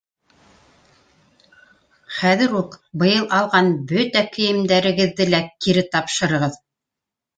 Хәҙер үк быйыл алған бөтә кейемдәрегеҙҙе лә кире тапшырығыҙ!